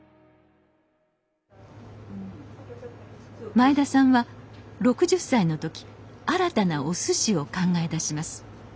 前田さんは６０歳の時新たなおすしを考え出します。